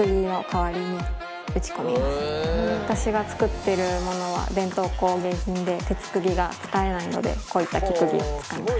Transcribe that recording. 私が作ってるものは伝統工芸品で鉄釘が使えないのでこういった木釘を使います。